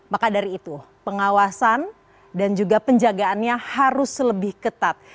maka dari itu pengawasan dan juga penjagaannya harus lebih ketat